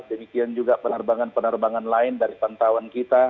demikian juga penerbangan penerbangan lain dari pantauan kita